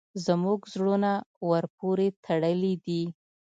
زموږ زړونه ورپورې تړلي دي.